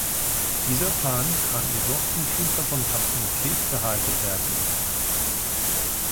Dieser Plan kann jedoch mit Hilfe von Captain Kidd vereitelt werden.